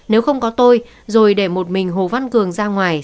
nếu không có tôi rồi để một mình hồ văn cường ra ngoài